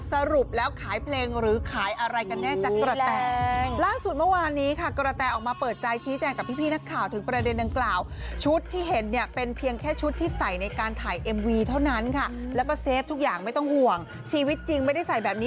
สรุปแล้วขายเพลงหรือขายอะไรกันเนี่ยจากกระแต่อู้ยแหลง